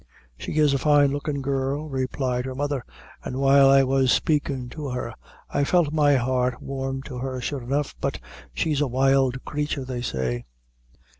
"She is a fine lookin' girl," replied her mother, "an' while I was spakin' to her, I felt my heart warm to her sure enough; but she's a wild crature, they say."